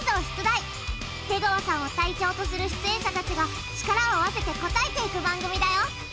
出川さんを隊長とする出演者たちが力を合わせて答えていく番組だよ！